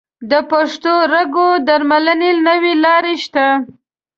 د پښتورګو درملنې نوي لارې شته.